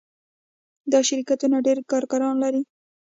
دا شرکتونه ډیر کارګران لري.